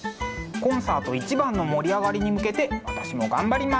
コンサート一番の盛り上がりに向けて私も頑張ります。